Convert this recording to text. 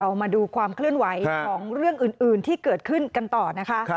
มาดูความเคลื่อนไหวของเรื่องอื่นที่เกิดขึ้นกันต่อนะคะ